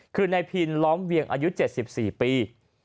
คือนายพินล้อมเวียงอายุ๗๔ปี